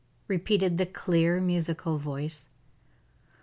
repeated the clear, musical voice.